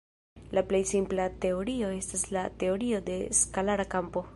La plej simpla teorio estas la teorio de skalara kampo.